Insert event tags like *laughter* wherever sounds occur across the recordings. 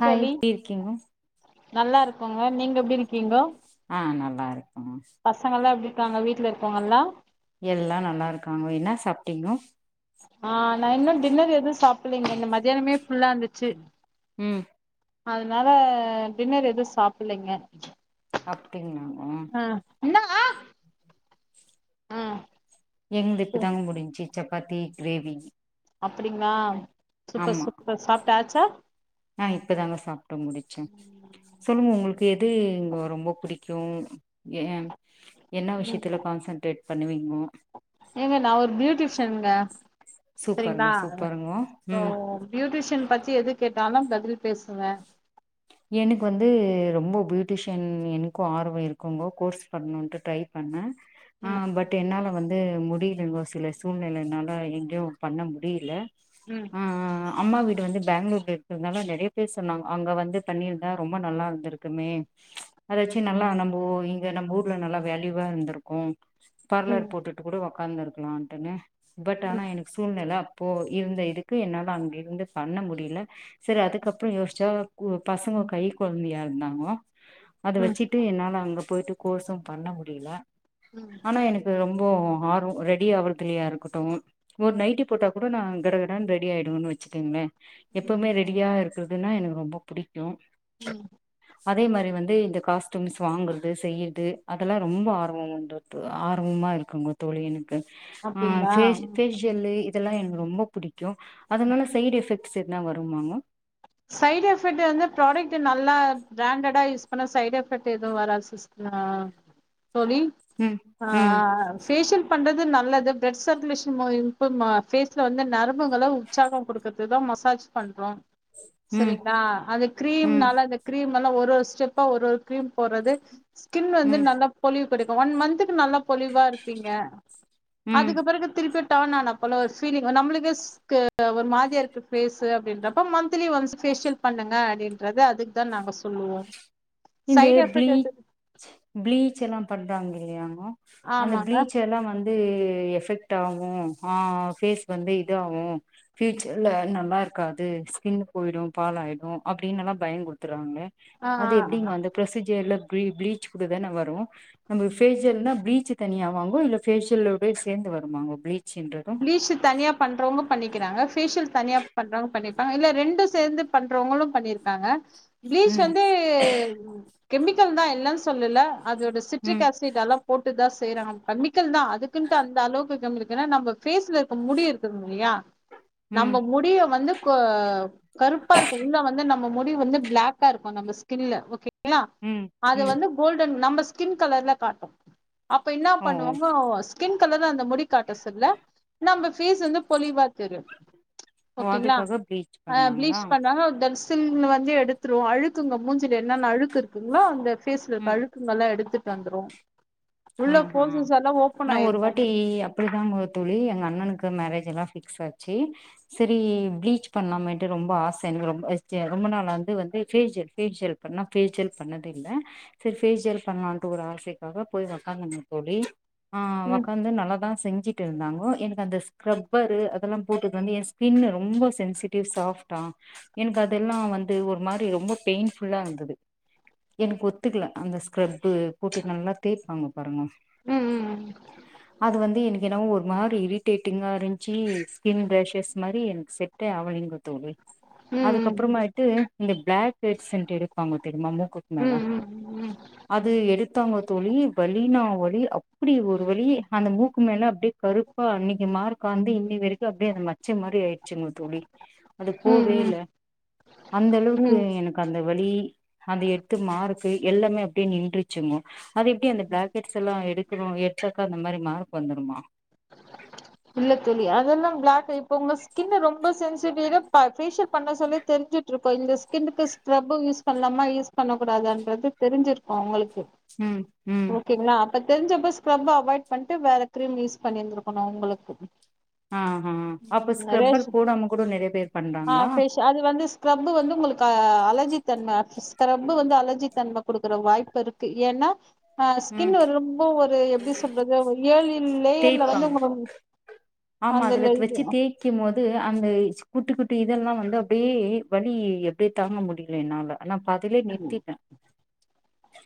Hi தோழி எப்டி இருக்கீங்கோ? நல்லா இருக்கோங்க. நீங்க எப்டி இருக்கீங்கோ? ஆ நல்லா இருக்கோம்மா. பசங்கல்லா எப்டி இருக்காங்க வீட்ல இருக்கவங்கல்லா எல்லா நல்லா இருக்காங்கோ. என்னா சாப்ட்டீங்கோ? ஆ நா இன்னு டின்னர் எது சா ப்பில்லைங்க இந்த மத்தியானமே ஃபுல்லா இருந்துச்சு. ம் அதனால டின்னர் எதுவு சாப்பில்லைங்க. அப்டிங்களாங்கோ? என்ன ஆ ஆ என்து இப்பதாங்கோ முடிஞ்ச்சி. சப்பாத்தி கிரேவி அப்பிடிங்களா? சூப்பர் சூப்பர் சாப்ப டாச்சா ஆஹ் இப்பதாங்க சாப்பிட்டு முடிச்சேன் சொல்லுங்க உங்களுக்கு எது இங்க ரொம்ப பிடிக்கும் உம் என்ன ம் விஷயத்துல கான்சன்ட்ரேட் பண்ணுவீங்க ஏங்க நா ஒரு பியூட்டிஷ் ஷன்ங்க சரிங்ளா சூப்பருங்க சூப்பருங்கோ இப்போ ம் ப்யூட்டிஷன் பத்தி எது கேட்டாலும் பதில் பேசுவேன் எனக்கு வந்து ரொம்ப பியூட்டிஷியன் எனக்கும் ஆர்வம் இருக்குங்கோ கோர்ஸ் பண்ணணும்ட்டு ட்ரை பண்ணேன் ம் ஆஹ் பட் என்னால வந்து முடி முடியலைங்கோ சில சூழ்நிலைனால எங்கேயும் பண்ண முடியல ம் ஆஹ்ஹ் அம்மா வீட்டு வந்து பேங்ளூர்ல இருக்கனால நெறைய பேர் சொன்னாங்க அங்க வந்து பண்ணிருந்தா ரொம்ப நல்லா இருந்திருக்குமே அதாச்சு நல்லா நம்ப இங்க நம்ப ஊர்ல நல்லா வேல்யூவா இருந்திருக்கு ம் பார்லர் போட்டுட்டு கூட உக்காந்துருக்கலான்ட்டுனு பட் ஆனா ம் எனக்கு சூழ்நெல இப்போ இருந்த இதுக்கு என்னால அங்க இருந்து பண்ண முடியல சரி அதுக்கப்றொ யோசிச்சா பசங்க கை கொழந்தையா இருந்தாங்க அத ம் வச்சிட்டு என்னால அங்க போயிட்டு கோர்ஸும் பண்ண முடியல ம் ஆனா எனக்கு ரொம்ப இப்போ ஆர்வ ரெடி ஆவுறதுலயா இருக்கட்டு ஒரு நைட்டி போட்டா கூட நா கடகடனு ரெடி ஆயிடுவேனு வெச்சுக்கோங்களே ம் எப்பவுமே ரெடியா இருக்கு இதுன்னா எனக்கு ரொம்ப *unintelligible* ம் அதே மாரி வந்து இந்த காஸ்டூம்ஸ் வாங்குறது செய்யுறது அதெல்லா ரொம்ப ஆர்வம்ண்டு ஆர்வமாக இருக்குங்க தோழி ஆ அப்டிங்களா ஃபேஸ் ம் ஃபேஸ்யெல்லு இதெல்லா எனக்கு ரொம்ப புடிக்கு அதனால செய்டு எஃபெக்ட்ஸ் சரி தா வருமாங்க சைடு எஃபெக்ட்டு வந்து ஃப்ராடெக்டு நல்லா பிரேண்டடா யூஸ் பண்ணா சைடு எஃபெக்ட்டு எதுவு வராது யூஸ் பண்ணா தோழி ம் ஆ ம் ஃபேஷியல் பண்றது நல்லது டெட் செலிஷன்ஸ்லா போயிட்டு மா ஃபேஸ்ல வந்து நரம்புகல்லா உற்சாகோ குடுக்குறதுதா மசாஜ் பண்றோ ம் சேரிங்களா அந்த ம் கிரீம்னால அந்த கிரீம் து நால்ல ஒரு ஒரு ஸ்டெப்பா ஒரு ஒரு கிரீம் போறது ஸ்கின் வந்து ம் நல்லா பொலிவு த்து எடுக்க ஒன் மந்த்துக்கு நல்லாப் பொளிவா இருப்பீங்க ம் அதுக்கு பெறகு திரப்ப டவுன்னானா போல ஒர் பீலிங்கு நம்ளுக்கு ஒரு மாரியா இருக்கு பேசு அப்டின்றப் அப்ப மந்த்திலி ஒன்ஸ் பேஷியல் பண்ணுங்க அப்டின்றது அதுக்குதா நாங்க சொல்லுவோ இந்த சைட் எஃபெக்ட் எது பிளீச் பிளீச் எல்லாம் பண்றாங்கள் தெரியும் அந்த ஆமாங்க பிளீச்ச எல்லாம் வந்து எ எஃபெக்ட் ஆகு ஃபேஸ்க்கு வந்து இது ஆகு ஃபியூச்சர்ல நல்லா இருக்காது ஸ்கின்னு போயிடும் பால் ஆயிடு அப்டின்னு எல்லா பயன் புடுத்துறாங்க ஆ ஆ ஆ எப்டிங்க அந்த ஃப்ரொசிஜியர்ல பிளீ பிளீச் கூடதான வரு நம்ம பேஷியல்னா பிளீச் தனியா வாங்குவோ இல்ல பேஷியலோடயே சேந்து வருமாங்க பிளீச் பிளீச்சு தனியா பண்றவங்க பண்ணிக் கிறாங்க பேஷியல் தனியா பண்றவங்க பண்ணிப்பாங்க இல்ல ரெண்டு சேந்து பண்றவங்களு பண்ணிருக்காங்க பிளீச் ம் வந்து கெமிக்கல்தா இல்லன் சொல்லுல அதோட சிட்ரிக் ம் ஏசிட் எல்லாம் போட்டுதாஸ் செய்யறாங்க கெமிக்கல்தா அதுக்குன்டு அந்த அளவுக்கு கெமிக்கல நம்ம பேஸ்ல இருக்க முடி இருக்குதுங் இல்லியா நம்ப ம் முடிய வந்து கருப்பா இருக்கு உள்ள வந்து நம் நம்ம முடி வந்து பிளாக்கா இருக்கு நம்ம ஸ்கின்ல ஓகே ங்ளா ம் அது ம் வந்து கோல்டன் நம்பஸ் ஸ்கின் கலர்ல காட்டு அப்ப என்ன ஓ பண்ணுவாங்கோ ஸ்கின் கலர்ல அந்த முடிக்காட்ட சொல்ல நம்ம ஃபேஸு வந்து பொலிவா தெரியு ஓ ஓகேங்களா அதுக்காக ப்ளீச் அ பண்ணுவாங்களா பிளீச் பண்ணாங்க டெட்ஸ் ச்சுன் வந்து எடுத்துருவோ அழுத் து உங்க மூஞ்சில என்னென்ன அழுக்கு இருக்குங்ளோ அந்த பேஸ்ல இருக்க அழுக்குங்கல்லா எடுத்துட் தந்துரும் ம் ம் நா ஒரு வாட்டி ஆயிருக்கு அப்டிதாங்கோ தோழி எங்க அண்ணனுக் கு மேரேஜ் எல்லா ஃபிக்ஸ் ஆச்சு சரி பீலீச் பண்ணலமேட்டு ரொம்ப ஆசை எங்களுக் ரொம் ரொம்ப நாள் வந்து ஃபேஷியல் ஃபேஷியல் பண்ண ஃபேஷியல் பண்ணது இல்ல சரி ஃபேஷியல் பண்ணலாம் ஒரு ஆசைக்காக போய் *unintelligible* தோழி ஆ ம் ஓக்காந்து நல்லதா செஞ்சு இருந்தாங்கோ என்க்கு அந்த ஸ்க்ரப்பரு அதெல்லாம் போட்டுது வந்து என் ஸ்கின்னு ரொம்ப சென்சிடிவ் சாஃப்டா என்க்கு அதெல்லாம் வந்து ஒரு மாரி ரொம்ப பெயின்ஃபுல்லா இருந்தது என்க்கு ஒத்துக்கல அந்த ஸ்கரப்பு போட்டு நல்லா தேய்ப்பாங்க பாருங்க ம் ம் அது வந்து எனக்கு என்னவோ ஒரு மாரி இரிட்டேட்டிங்கா இருஞ்ச்சு ஸ்கின் ரேஷஸ் மாரி எனக்கு செட்ட ஆவலிங்கோ தோழி ம் அதுக் ம் அப்புறமாயிட்டு இந்த ப்ளாக் பெர்சென்ட் எடுப்பாங்க தெரிம்மா மூக்குக்கு மேல ம் ம் அது எடுத்தவங்க தோழி வலின்னா வலி அப்டி ஒரு வலி அந்த மூக்கு மேல அப்டியே கருப்பா அன்னிக்கு மார்க்காந்து இன்னிவரைக்கும் அப்டியே அந்த மச்சை மாரி ஆயிச்சுங்க தோழி அது ம் போவே ம் இல்ல அந்த அளவுக்கு ம் ம் எனக்கு அந்த வலி அந்த எடுத்த மார்க்கு எல்லாமே அப்டியே நின்றுச்சுங்கோ அது எப்டி அந்த ப்ளாக்கெட்ஸ்ல்லா எடுக்கணும் எத்தக்கா அந்த மாரி மார்க்கு வந்துரும்மா இல்ல தோழி அதெல்லா ப்ளாக் இப்ப உங்க ஸ்கின்னு ரொம்ப சென்சிட்டிவ் பா ஃபேஷியல் பண்ண சொல்லி தெரிஞ்சுட்டு இருக்கோ இந்த ஸ்கின்னுக்கு ஸ்க்ரப்ப யூஸ் பண்லாமா யூஸ் பண்ண கூடாதன்றது தெரிஞ்சிருக்கும் உங்களுக் ம் ம் ஓகேங்களா அப்ப தெரிஞ்சப்ப ஸ் கிரப்ப அவாய்ட் பண்ட்டு வேற கிரீம் யூஸ் பண்ணியிருந்துக்கணும் உங்களுக் ஓ ஆஹா அப்ப அ ஸ்க்ரப்பர் ரேஷ் போடாம கூட நெறைய பேர் ஆ பண்றாங்களா ஃபேஷ் அது வந்து ஸ்கரப் வந்து உங்களுக் ஆ அலர்ஜி தன்ம்ம *unintelligible* ரொம்ப வந்து அலர்ஜி தன்ம குடுக்குற வாய்ப்பு இருக்கு ஏன்னா ஆ ம் ஸ்கின்னு ரொம்ப ஒரு எப்டி சொல்றது ஒரு ஏழில் ப்ளேயர்ல வந்து தேய்ப்பாங்க உங்க உ ஆமா அதுல வச் வச்சு தேய்க்கும் போது அந்த குட்டி குட்டி இதெல்லாம் வந்து அப்டியே வலி எப்டியே தாங்க முடியல என்னால நா பாதிலே நிற்த்திட்டே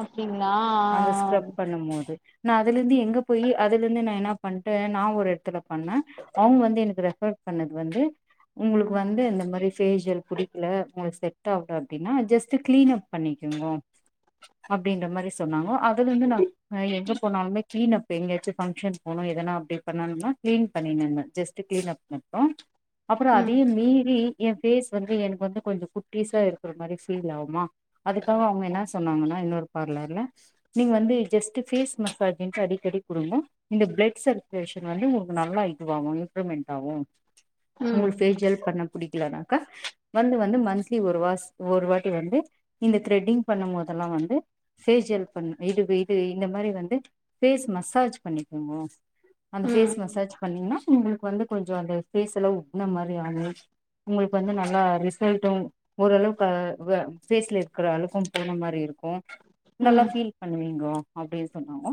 அப்டிங்களா அந்த ஸ்க்ரப் பண்ணும் போது நா அதுல இருந்து எங்க போய் அதுல இருந்து நா என்ன பண்ட்டே நா ஒரு எடத்துல பண்ணே அவுங்க வந்து எனக்கு ரெஃபர் பண்ணது வந்து உங்களுக்கு வந்து இந்த மாரி ஃபேஷியல் புடிக்கல எனக் செட் ஆவல அப்படின்னா ஜஸ்ட் கிளீன் அப் பண்ணிக்கோங்க அப்டின்ற மாரி சொன்னாங்கோ அதுல இருந்து நாங் எங்க போனாலுமே கிளீன் அப் எங்கயாச்சும் ஃபங்க்ஷன் போனும் எதனா அப்டி பண்ணும் கிளீன் பண்ணினு இருந்தோம் ஜஸ்ட் கிளீன் அப் மட்டும் அப்புறம் ம் அதையு மீறி என் பேஸ் வந்து எனக்கு வந்து கொஞ்சம் குட்டீஸா இருக்கற மாரி பீல் ஆவும்மா அதுக்காக அவுங்க என்ன சொன்னாங்கன்னா இன்னொர் பார்லர்லா நீங்க வந்து ஜஸ்ட் பேஸ் மசாஜ் அடிக்கடி கொடுங்கோ இந்த ப்ளட் சர்க்குலேஷன் வந்து உங்களுக்கு நல்லா இதுவாகும் இம்ப்ரூவ்மெண்ட் ஆகும் ம் உங்களுக்கு ஃபேஷியல் பண்ண புடிக்கலனாக்கா வந்து வந்து மந்த்லி ஒரு வாஸ் ஒரு வாட்டி வந்து இந்த த்ரெட்டிங் பண்ணும்போதெல்லாம் வந்து ஃபேஷியல் இது இது இந்த மாரி வந்து பேஸ் மசாஜ் பண்ணிக்கோங்க அந்த ஃபேஸ் ம் மசாஜ் பண்ணீங்கன்னா உங்க வந்து கொஞ்சோ அந்த ஃபேஸ்ல என்ன மாரி ஆகு உங்களுக்கு வந்து நல்லா ரிசல்ட்டு ஓரளவுக்கு ஃபேஸ்ல இருக்குற அளவுக்கும் போன மாரி இருக்கு நல்லா ம் ஃபீல் பண்ணுவீங்கோ அப்டின் சொன்னாங்கோ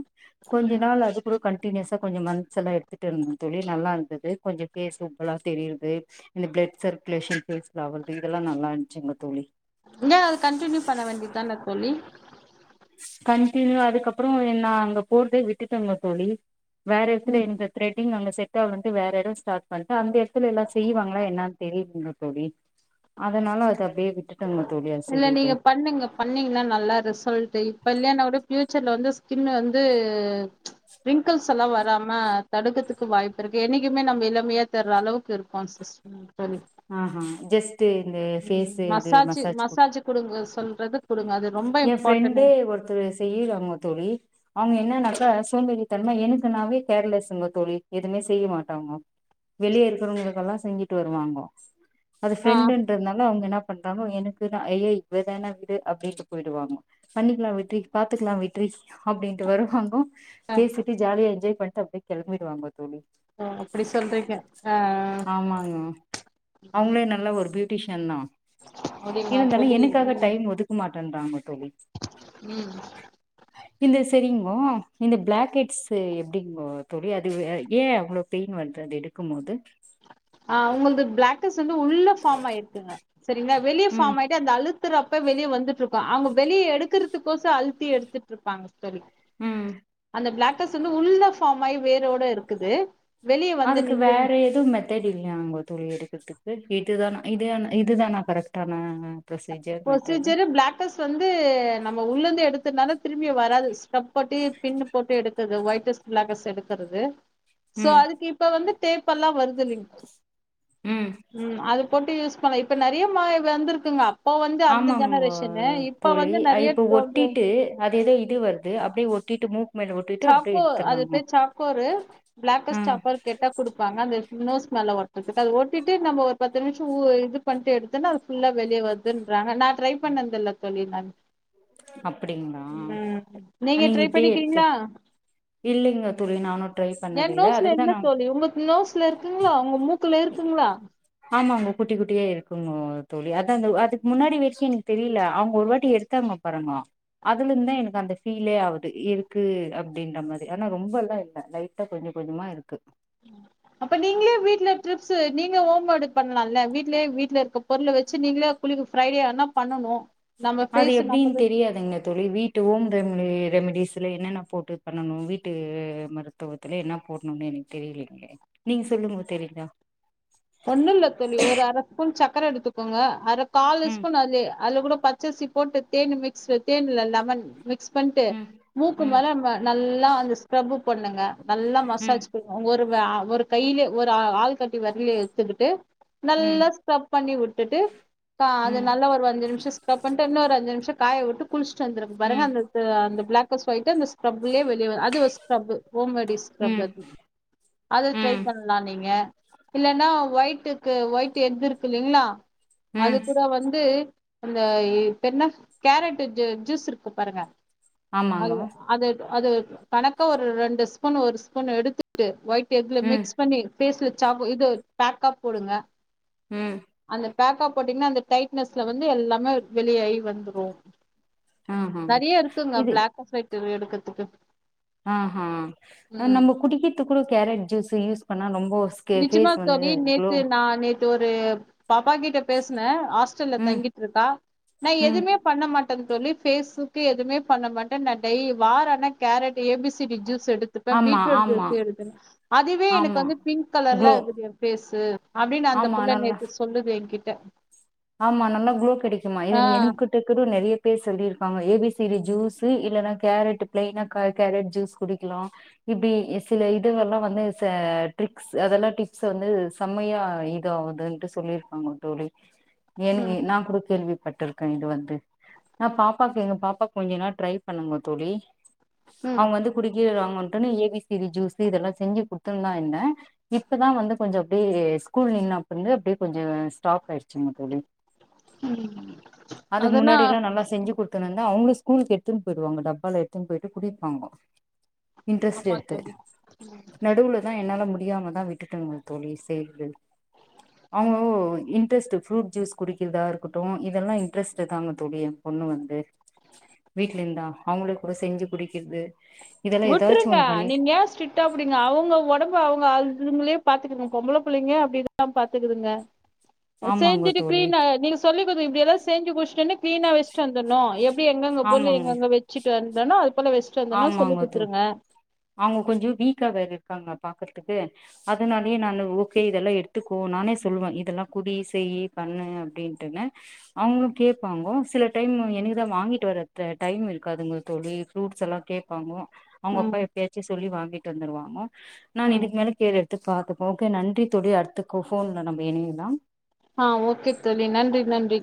கொஞ்ச நாள் அது குடு கண்டினியூஸா கொஞ்ச மந்த்துல்ல எடுத்துட்டு இருந்த தோழி நல்லா இருந்தது கொஞ்ச ஃபேஸு இப்பல்லா தெரியிருது இந்த பிளெட் சர்க்குலேஷன் ஃபேஸ்ல வந்துட்டு இதெல்லா நல்லா இருந்துச்சுங்க தோழி என்ன அது கண்டினியூ பண்ண வேண்டிதான தோழி கண்டினியூ அதுக்கப்புறோ நா அங்க போறதயே விட்டுட்டங்க தோழி வேற எடத்துல ம் இந்த த்ரெட்டிங் அங்க செட் ட்டோ வன்ட்டு வேற எடோ ஸ்டாட் பண்டா அந்த எடத்துல எல்லா செய்வாங்களா என்னான் தெரியிலங்க தோழி அதனால அத அப் இல்ல நீங்க பண்ணுங்க பண்ணீங்கன்னா நல்லா ரிசல்ட்டு கல்யாணோங் கூடப் ஃபியூச்சர்ல வந்து ஸ்கின்னு வந்து ரிங்கல்ஸ் எல்லா வராம தடுக்குறதுக்கு வாய்ப்பு இருக்கு என்னைக்குமே நம்ம இளமையா தர்ற அளவுக்கு இருக்கும் சிஸ்டர் தோழி ஆஹா ஜெஸ் ம் மசாஜு மசாஜு குடுங்க சொல்றது குடுங்க அது ரொம்ப எ இம்பார்ட்டன்னு ஃப்ரெண்டே ஒருத்தரு செய்யறாங்க தோழி அவங்க என் என்னன்னாக்கா சோம்பேரி தனமா எனக்கு நாவே கேர்லஸுங்க தோழி எதுமே செய்ய மாட்டாங்கோ வெளிய இருக்குறவங்களுக்கெல்லா செஞ்சுட்டு வருவாங்கோ அது ஆ ஃப்ரெண்டுன்றதுனால அவங்கன்னாப் பண்றாங்கோ எனக்கு நா ஐயையோ இதான விடு அப்டின்னு போயிடுவாங்கோ பண்ணிக்கலா விட்று பாத்துக்கலா விட்று அப்டின்ட்டு வருவாங்கோ அ பேசிட்டு ஜாலியா என்ஜாய் வன்ட்டு அப்டியே கெளம்பிடுவாங்கோ தோழி அப்டி சொல்றீங்க ஆ ஆமாங் அவங்களே நல்லா ஒரு பியூட் பியூட்டிஷன்தா அப்டிங்களா இருந்தாலு தோழி எனக்காக ம் டைம் ஒதுக்க மாட் ட்ருந்தங்கோ தோழி ம் இந்தஸ் தெரிமோ இந்த பிளாக் ஹெட்ஸ்ஸு எப்டிங்கோ தோழி அது ஏ அவ்ளோ பெயின் வருது அது எடுக்கும் போது ஆ உங்கள்து பிளேகெட்ஸ் வந்து உள்ள ஃபாம் ஆயிருக்குங்க செரிங்களா வெளிய ம் ஃபாம் ஆயிட்டு அந்த அழுத்துறப் போ வெளிய வந்துட்டு இருக்கு அவங்க வெளிய எடுக்குறதுக்கொசோ அழுத்தி எடுத்துட்டு இருப்பாங்க தெர்ல ம் இந்த பிளேகெட்ஸ் வந்து உள்ள ஃபாம் ஆயி வேரோட இருக்குது வெளிய வந்து அதுக்கு நிண்டு வேற எது மெத்தேடு இல்லையாங்கோ தோழி எடுக்குறதுக்கு? இதுதானா இதுதானா இதுதானா கரெக்டான ப்ரொசீஜர் மெத்தடு ப்ரொசீஜரு பிளாக்கஸ் வந்து நம்ம உள்ள இருந்து எடுத்ததுனால திரும்பியு வராது ஸ்க்ரப் போட்டு பின்னு போட்டு எடுக்கறது ஒயிட்டஸ் பிளாக்கஸ் எடுக்கறது சோ ம் அதுக்கு இப்ப வந்து டேப் எல்லா வருது இல்லைங் ம் போட்டு யூஸ் பண்லா இப்ப நெறைய மாடல் வந்திருக்குங்க வந்து அந்த ஆமாங்கோ ஜெனரேஷனு இப்ப தோழி வந்து ஆ நெறைய இப்ப தோன்ற ஒட்டிட்டு அது ஏதோ இது வருது அப்டியே ஒட்டிட்டு மூ சாக்கோ அது பேரு சாக்கோரு பிளாக்கஸ் ம் சாக்கோரு கேட்டா குடுப்பாங்க அந்த நோஸ் மேல ஒட்றதுக்கு அத ஒட்டிட்டு நம்ம ஒரு பத்து நிமிஷோ ஊ இது பண்ட்டு எடுத்தோன்னா அது ஃபுல்லா வெளிய வருதுன்றாங்க நா ட்ரை பண்ணதில்ல தோழி நானு அப்டிங்களா ம் நீங்க ட்ரை இப்டியே எடுத்து பண்ணிர்க்கிறீங்களா? இல்லைங்க தோழி நானும் ட்ரை யேன் பண்ணதில்ல நோஸ்ல இல்ல அதுக்குதான் நான் தோழி உங்க நோஸ்ல இருக்குங்ளா உங்க மூ ஆமாங்கோ குட்டி குட்டியா இருக்குங்கோ தோழி அதா அந்த அதுக்கு முன்னாடி வரைக்கு எனக்கு தெரியல அவங்க ஒரு வாட்டி எடுத்தாங்க பாருங்கோ அதுல இருந்துதா எனக்கு அந்த ஃபீலே ஆவுது இருக்கு அப்டின்ற மாதிரி ஆனா ரொம்ப எல்லா இல்ல லைட்டா கொஞ்ச கொஞ்சமா இருக்கு. அப்ப நீங்களே வீட்ல ட்ரிப்ஸு நீங்க ஹோம் மேடு பண்லால்ல வீட்லயே வீட்ல இருக்க பொருள வச்சு நீங்களே குளிக்க ஃப்ரைடே ஆனா பண்ணனு அது எப்டின்னு தெரியாதுங்க தோழி வீட்டு ஓன் ரெம்டி ரெமிடீஸ்ல என்னென்ன போட்டு பண்ணணு வீட்டு மருத்துவத்துல என்னா போடணுன்னு எனக்கு தெரியலைங்களே நீங்க சொல்லுங்க தெரிஞ்சா ஒண்ணுல்ல தோழி ஒரு அர ஸ்பூன் சக்கர எடுத்துக்கோங்க அர காலு ம் ஸ்பூன் அதுலயே அதுல கூடோ பச்சரிசி போட்டு தேனு மிக்ஸு தேனு இல்ல லெமன் மிக்ஸ் பண்ட்டு ம் மூக்கு ம் மேல நம்ம நல்லா கொஞ்ச ஸ்க்ரப்பு பண்ணுங்க நல்லா ம் மசாஜ் குடுங்க உங்க ஒரு வா ஒரு கையிலயே ஒரு ஆள்காட்டி வெரல்லயே செஞ்சிட்டு ம் நல்லா ஸ்க்ரப் பண்ணி விட்டுட்டு ஆ அது ம் நல்லா ஒரு அஞ்சு நிமிஷோ ஸ்கிரப் பண்ட்டு இன்னொரு அஞ்சு நிமிஷோ காய வுட்டு குளிச் சு வந்தறப்ப பாருங்க ம் அந்த த அந்த பிளாக் கஸ் போயிட்டு அந்த ஸ்க்ரப்லயே வெளிய வ அது ஒரு ஸ்க்ரப்பு ஹோம் மேடு ஸ்க்ரப்பு ம் அத ட்ரை ம் பண்லா நீங்க இல்லன்னா ஒய்ட்டுக்கு ஒய்ட் எக்கு இருக்கு இல்லைங்களா அது ம் கூட வந்து அந்த இப்ப என்ன கேரட்டு ஜே ஜூஸு இருக்கு பாருங்க ஆமாங்க அது அது அது கணக்கா ஒரு ரெண்டு ஸ்பூனு ஒரு ஸ்பூனு எடுத்துட்டு ஒயிட் எங்குல ம் மிக்ஸ் பண்ணி பேஸ்ல சாக்கோ இது பேக்கப் போடுங்க உம் பேக்கப் போட்டீங்கன்னா அந்த டைட்னஸ்ல வந்து எல்லாமே வெளியாயி வந்துரும் ஆஹா நெறைய இருக்குங்க பிளாக் *unintelligible* ஒயிட் எடுக்கறதுக்கு அ ஆ ம் நம்ம குடிக்கீத்துக்கு கூட கேரட் ஜூஸ்யூஸ் பன்னா ரொம்பஸ்கர்பேஸ் வந்து குளோ து ஒரு பாப்பா கிட்ட பேசன ஹாஸ்டல்ல ம் தங்கிட்டு இருக்கா நா ம் எதுவுமே பண்ண மாட் *unintelligible* தோழி பேசஸ்க்கு எதுவுமே பண்ண மாட்டே நா டெய் வாரான கேரட் ஏபிசிடி ஜூஸ் எடுத்துப்பே ஆமா பீட்ரூட் ஆமா ஜூஸ் எடுத்து அதுவே எனக்கு ஆமா வந்து பிங்க் கலர்லா க்ளோ இருக்குது என் ஃபேஸ் து அப்படின்னு அந்த ஆமா புள்ள நல்லா நேத்து சொல்லுது எ கிட் த ஆமா நல்லா குளோ கிடைக்குமா இது என்கிட்டகூட நெறைய பேர் சொல்லியிருப்பாங்க ஏபிசிரி ஜூஸ் இல்லைன்னா கேரட் பிளைனா க கேரட் ஜூஸ் குடிக்கலா இப்படி சில இது எல்லா வந்து ச ட்ரிக்ஸ் அதெல்லா டிப்ஸ் வந்து செம்மையா இது ஆகுதுன்ட்டு சொல்லியிருப்பாங்க தோழி எனங்க நா ம் கூட கேள்விப்பட்டுருக் கழண்டு வந்து ந பாப்பாக்கு எங்க பாப்பா கொஞ்ச நாள் ட்ரை பண்ணுங்க தோழி ம் அவங்க வந்து குடிக்கிவேண்ணா நானு ஏபிசி ஜூஸ் இது எல்லா செஞ்சு குடுத்து இருந்த என்ன இப்பதா வந்து கொஞ்சோ அப்படியே ஸ்கூல் நின்னப்றம் அப்படியே கொஞ்சோ ஸ்டாப் ஆயிடுச்சுங்க தோழி அதுக்கு அதெல்லா முன்னாடி எல்லா நல்லா செஞ்சு கொடு கு வந்த அவங்க ஸ்கூலுக்கு எடுத்துன்னு போயிடுவாங்க டப்பால எடுத்துன்னு போயிட்டு குடிப்பாங்க இன்ட்ரெஸ்ட் ஆமா எத்து தோழி நடுவுலதா என்னால முடி தெரியாம தா விட்டுட்டங்க தோழி சேந்து அவங்க இன்ரெஸ்ட்டு ப்ரூ ஜூஸ் குடிக்கிறதா இருக்கட்டு இதெல்லா இன்ட்ரெஸ்டு தாங்க தோழி என் பொண்ணு வந்து வீட்ல இருந்தா அவங்களே கூட செஞ்சு குடிக்கிறது இதெல்லா ஏதாச்சு விட்ருங்க ஒண்ணு பண்ணி நீங்க ஏ ஸ்ட்டா புடிங்க அவங்க உடம்பு அவங்க அதுங்களே பாத்துக்கங்க பொம்பளை பிள்ளைங்க அப்படிதா பாத்துக்குதுங்க ஆமாங்க செஞ்சுட்டு தோழி கீளினா நீங்க சொல்லி *inaudible* இப்டியல்லா செஞ்சு முட்ச்டஒன்னே கீளீனா வச்சிட்டு வந்துரனு எப் கி எங்கங்க பொர்ல ஆமாங்க எங்கங்க வெச்சி *unintelligible* போல வெஸ்டு வந்தனா சொல்லு ஆமாங்க தோ குட்த்துருங்க அவங்க கொஞ்சோ வீக்கா வேர இருக்காங்க பாக்றதுக்கு அதனாலயே நானு ஓகே இதெல்லா எடுத்துக்கோ நானே சொல்லுவே இதெல்லா குடி செய்யி பண்ணு அப்டின்ட்டுனு அவங்களு கேப்பாங்க சில டைம் எனக்கு தா வாங்கிட்டு வர டைம் இருக்காதுங்க தோழி ஃப்ரூட்ஸ் எல்லா கேப்பாங்க அவங்கப்பா ம் எப் சொல்லி வாங்கிட்டு வந்துருவாங்க நா ம் இதுக்கு மேல கேர் எடுத்து பாக்கு ஓகே நன்றி தோழி அடுத்துக்கு ஃபோன்ல நம்ம இனையலா ஆ ஓகே தோழி நன்றி நன்றி